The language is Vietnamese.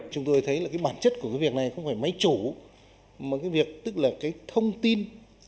chúng tôi thấy là cái bản chất của cái việc này không phải máy chủ mà cái việc tức là cái thông tin